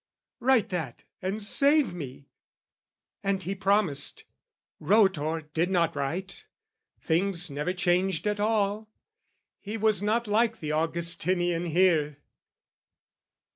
"Write that and save me!" And he promised wrote Or did not write; things never changed at all: He was not like the Augustinian here!